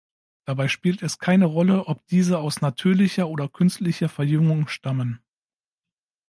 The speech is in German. Dabei spielt es keine Rolle, ob diese aus natürlicher oder künstlicher Verjüngung stammen.